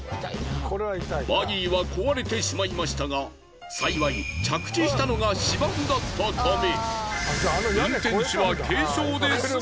バギーは壊れてしまいましたが幸い着地したのが芝生だったため。